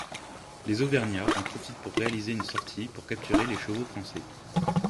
Les auvergnats en profitent pour réaliser une sortie pour capturer les chevaux français.